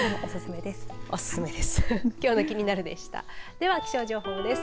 では気象情報です。